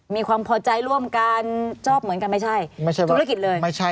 มีความพอใจร่วมกันจอบเหมือนกันไม่ใช่